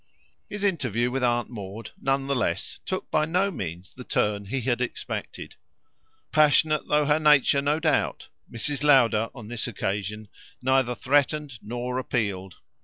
His interview with Aunt Maud, none the less, took by no means the turn he had expected. Passionate though her nature, no doubt, Mrs. Lowder on this occasion neither threatened nor appealed.